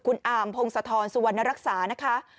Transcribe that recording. คุณอามพงศธรสุวรรณรักษานะคะ